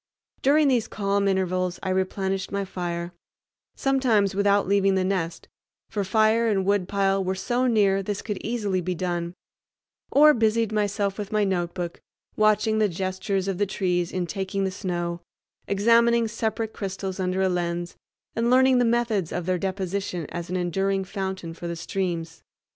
During these calm intervals I replenished my fire—sometimes without leaving the nest, for fire and woodpile were so near this could easily be done—or busied myself with my notebook, watching the gestures of the trees in taking the snow, examining separate crystals under a lens, and learning the methods of their deposition as an enduring fountain for the streams.